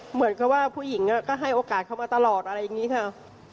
เหมือนกับว่าผู้หญิงก็ให้โอกาสเขามาตลอดอะไรอย่างนี้เถอะ